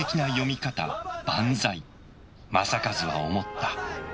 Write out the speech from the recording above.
正一は思った。